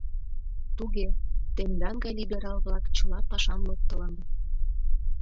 — Туге, тендан гай либерал-влак чыла пашам локтылыныт.